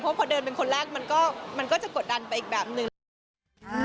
เพราะพอเดินเป็นคนแรกมันก็จะกดดันไปอีกแบบหนึ่ง